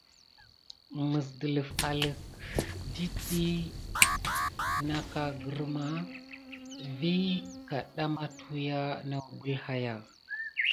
Məs dələf alək dit ɗiy na aka grum vi kaɗɗa matuhya nawbel haya.